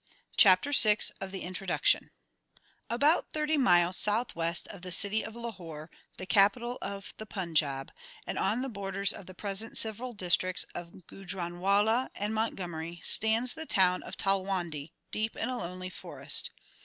CHAPTER VI About thirty miles south west of the city of Lahore, the capital of the Panjab, and on the borders of the present civil districts of Gujranwala and Montgomery, stands the town of Talwandi, deep in a lonely forest.